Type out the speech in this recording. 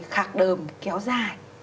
họ khạc đờm kéo dài